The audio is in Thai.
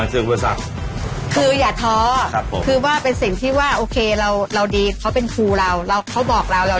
มองปัญหาอุปสรรคเป็นครูแล้ว